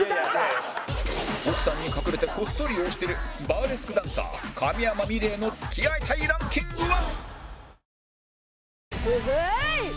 奥さんに隠れてこっそり推してるバーレスクダンサー神山みれいの付き合いたいランキングは